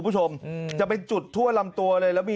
จะเป็นจุดทั่วรำตัว